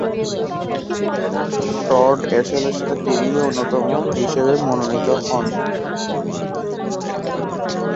Todd অ্যাশলে’র সাথে তিনিও অন্যতম হিসেবে মনোনীত হন।